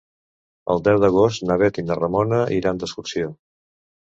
El deu d'agost na Bet i na Ramona iran d'excursió.